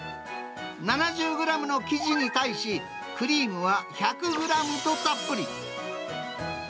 ７０グラムの生地に対し、クリームは１００グラムとたっぷり。